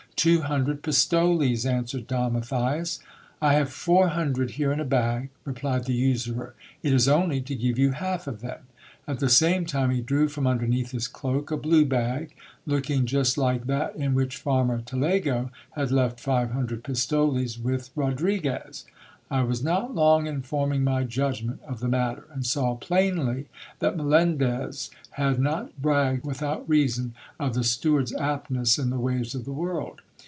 * Two hundred pistoles,' answered Don \ M itthias. * I have four hundred here in a bag,"' replied the usxirer * it is only to I give you half of them.' 1 At the same time he drew from underneath his cloak a i blue bag, looking just like that in which fanner Talego had left five hundred j pktoles with Rodriguez. I was not long in forming my judgment of the j matter, and saw plainly that Melendez had not bragged without reason of the ; steward's aptness in the ways of the world.